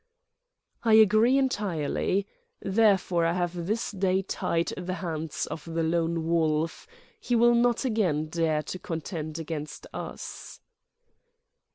"I agree entirely. Therefore, I have this day tied the hands of the Lone Wolf; he will not again dare to contend against us."